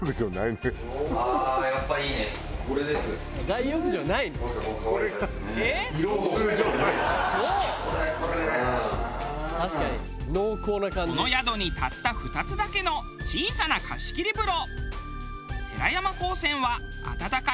大浴場はなくこの宿にたった２つだけの小さな貸切風呂。